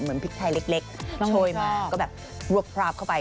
เหมือนพริกไทยเล็กช่วยมาก็แบบรวบพราบเข้าไป